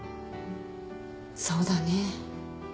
そうだね。